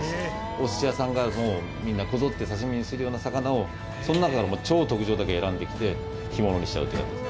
お寿司屋さんがもうみんなこぞって刺し身にするような魚をその中からもう超特上だけ選んできて干物にしちゃうというわけです。